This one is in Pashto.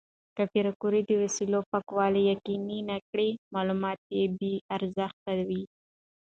که پېیر کوري د وسایلو پاکوالي یقیني نه کړي، معلومات به بې ارزښته وي.